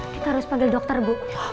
kita harus panggil dokter bu